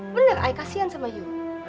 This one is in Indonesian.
benar saya kasihan sama kamu